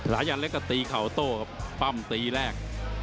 ลายันเล็กก็ตีเข่าโต้ครับปั้มตีแรก